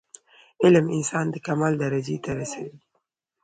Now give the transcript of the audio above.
علم انسان د کمال درجي ته رسوي.